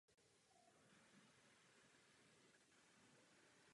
V některých ohledech doslova předstihl dobu.